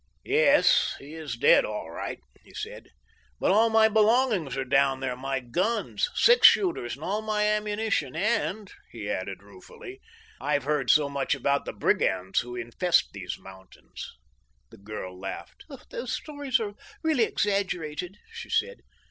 "Yes, he is dead all right," he said, "but all my belongings are down there. My guns, six shooters and all my ammunition. And," he added ruefully, "I've heard so much about the brigands that infest these mountains." The girl laughed. "Those stories are really exaggerated," she said.